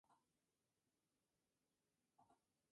La especie es un miembro de la familia de los cormoranes.